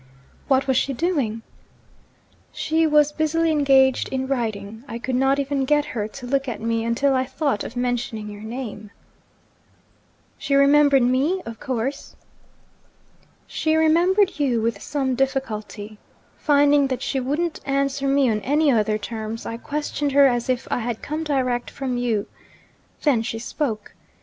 'What was she doing?' 'She was busily engaged in writing. I could not even get her to look at me until I thought of mentioning your name.' 'She remembered me, of course?' 'She remembered you with some difficulty. Finding that she wouldn't answer me on any other terms, I questioned her as if I had come direct from you. Then she spoke.